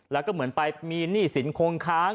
และมีสินคงค้าง